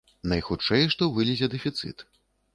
Найхутчэй што вылезе дэфіцыт.